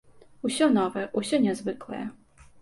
Усё новае, усё нязвыклае.